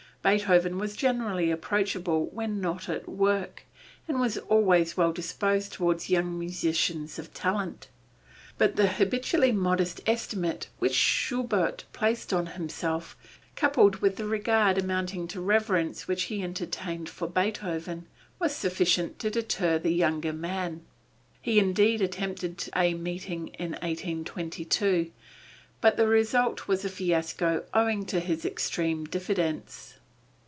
Beethoven was generally approachable when not at work, and was always well disposed toward young musicians of talent, but the habitually modest estimate which Schubert placed on himself, coupled with the regard amounting to reverence which he entertained for Beethoven, was sufficient to deter the younger man. He indeed attempted a meeting in 1822, but the result was a fiasco owing to his extreme diffidence.